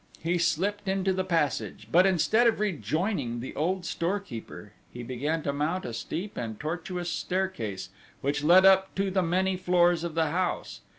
He slipped into the passage; but instead of rejoining the old storekeeper he began to mount a steep and tortuous staircase, which led up to the many floors of the house.